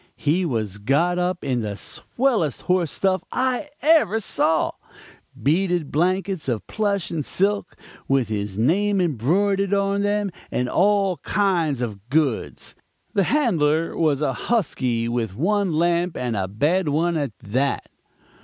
He was got up in the swellest horse stuff I ever saw beaded blankets of plush and silk, with his name embroidered on them, and all that kind of goods. The handler was a husky with one lamp and a bad one at that.